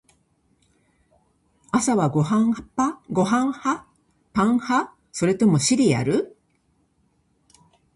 朝はご飯派？パン派？それともシリアル？